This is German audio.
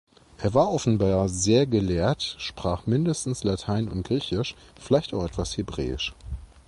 Er war offenbar sehr gelehrt, sprach mindestens Latein und Griechisch, vielleicht auch etwas Hebräisch.